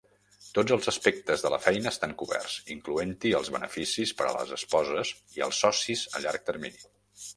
Tots els aspectes de la feina estan coberts, incloent-hi els beneficis per a les esposes i els socis a llarg termini.